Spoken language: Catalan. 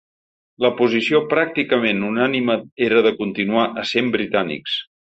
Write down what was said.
La posició pràcticament unànime era de continuar essent britànics.